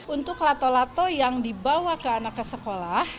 untuk lato lato yang dibawa ke anak ke sekolah